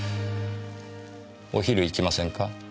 お昼行きませんか？